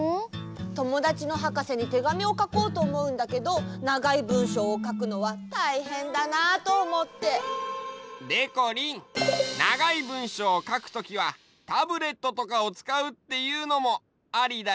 ともだちのはかせにてがみをかこうとおもうんだけどながいぶんしょうをかくのはたいへんだなとおもって。でこりんながいぶんしょうをかくときはタブレットとかをつかうっていうのもありだよ！